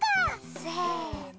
せの！